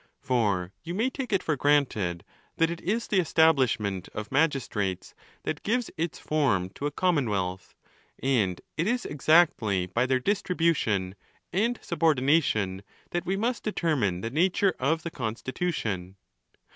For you may take it for granted that it is the establishment of magistrates that gives its form to a commonwealth, and it is exactly by their distribution and subordination that we must determine the nature of the constitution.